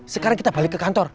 sekarang kita balik ke kantor